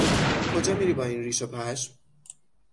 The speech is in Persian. کجا میری با این ریش و پشم؟